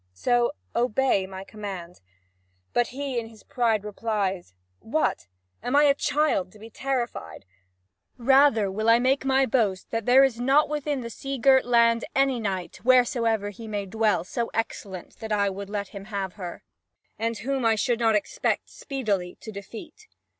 So obey my command." But he in his pride replies: "What? Am I a child to be terrified? Rather will I make my boast that there is not within the sea girt land any knight, wheresoever he may dwell, so excellent that I would let him have her, and whom I should not expect speedily to defeat."